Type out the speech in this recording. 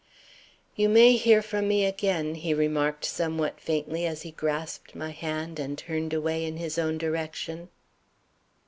"You may hear from me again," he remarked somewhat faintly as he grasped my hand, and turned away in his own direction.